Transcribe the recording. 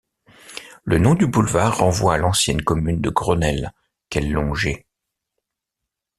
Le nom du boulevard renvoie à l’ancienne commune de Grenelle qu’elle longeait.